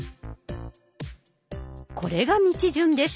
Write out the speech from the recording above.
これが道順です。